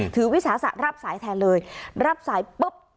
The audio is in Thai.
วิสาสะรับสายแทนเลยรับสายปุ๊บ